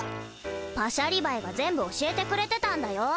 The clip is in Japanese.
パシャリバエが全部教えてくれてたんだよ！